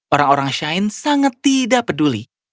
orang orang shine sangat tidak peduli